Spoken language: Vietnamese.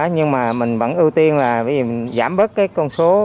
nhưng mà mình vẫn ưu tiên là giảm bớt cái con số